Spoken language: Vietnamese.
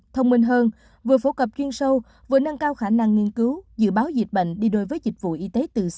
thông minh hơn vừa phổ cập chuyên sâu vừa nâng cao khả năng nghiên cứu